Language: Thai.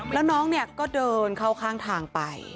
แล้วน้องเนี่ยก็เดินเข้าข้างทางไป